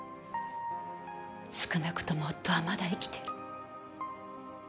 少なくとも夫はまだ生きている。